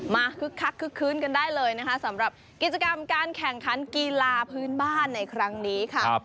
คึกคักคึกคืนกันได้เลยนะคะสำหรับกิจกรรมการแข่งขันกีฬาพื้นบ้านในครั้งนี้ค่ะ